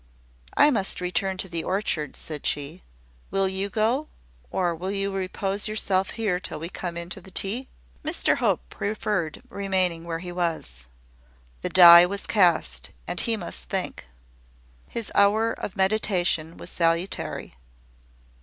"I must return to the orchard," said she. "Will you go? or will you repose yourself here till we come in to tea?" Mr Hope preferred remaining where he was. The die was cast, and he must think. His hour of meditation was salutary.